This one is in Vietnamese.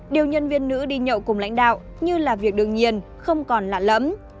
điều nhân viên nữ đi nhậu cùng lãnh đạo như là việc đương nhiên không còn lạ lẫm